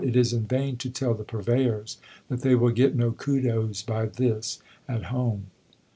It is in vain to tell the Purveyors that they will get no kudos by this at home."